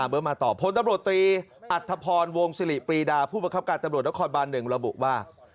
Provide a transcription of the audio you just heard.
ผลตำรวจตรีอัตภพรวงศิริปรีดาผู้บังคับการณ์ตำรวจละครบัน๑ระบุว่า